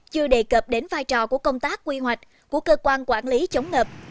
chưa đề cập đến vai trò của công tác quy hoạch của cơ quan quản lý chống ngập